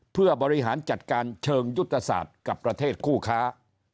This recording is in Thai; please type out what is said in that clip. เพื่อบริหารจัดการเชิงยุทธศาสตร์กับประเทศคู่ค้า